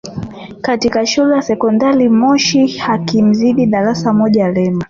katika Shule ya Sekondari Moshi akimzidi darasa moja Lema